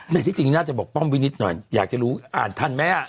ที่จริงน่าจะบอกป้อมวินิตหน่อยอยากจะรู้อ่านทันไหมอ่ะ